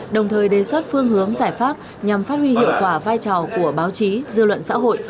đồng thời đề xuất phương hướng giải pháp nhằm phát huy hiệu quả vai trò của báo chí dư luận xã hội